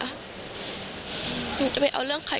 หนูจะไปเอาเรื่องใคร